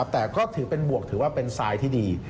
แต่ก็ถือเป็นบวกถือว่าเป็นทรายที่ดี